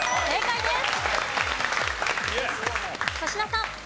正解です。